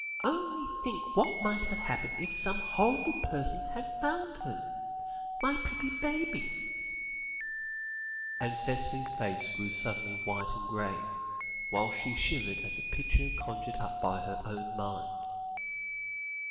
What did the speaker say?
Only think what might have happened if some horrible person had found her. My pretty baby," and Cicely's face grew suddenly white and grave, whilst she shivered at the picture conjured up by her own mind.